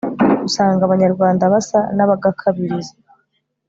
usanga abanyarwandabasa n'abagakabiriza